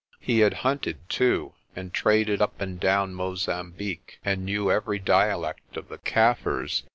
He had hunted, too, and traded up and down Mozambique, and knew every dialect of the Kaffirs.